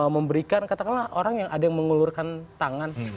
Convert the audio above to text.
memberikan katakanlah orang yang ada yang mengulurkan tangan